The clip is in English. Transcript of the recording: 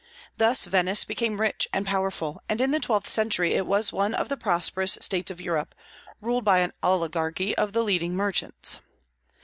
Thus Venice became rich and powerful, and in the twelfth century it was one of the prosperous states of Europe, ruled by an oligarchy of the leading merchants.